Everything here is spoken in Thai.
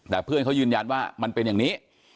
แต่เพื่อนเขายืนยันว่ามันเป็นอย่างนี้